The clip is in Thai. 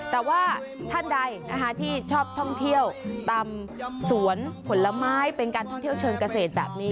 แต่ว่าท่านใดที่ชอบท่องเที่ยวตามสวนผลไม้เป็นการท่องเที่ยวเชิงเกษตรแบบนี้